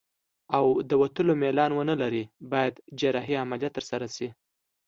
او د وتلو میلان ونلري باید جراحي عملیه ترسره شي.